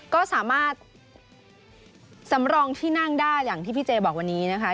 กำลังที่นั่งได้อย่างที่พี่เจบอกวันนี้นะคะ